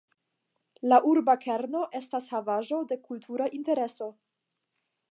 La urba kerno estas Havaĵo de Kultura Intereso.